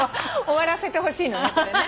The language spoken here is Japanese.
終わらせてほしいのねこれね。